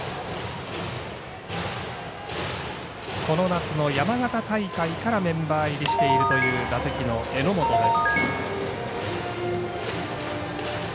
この夏の山形大会からメンバー入りしているという打席の榎本です。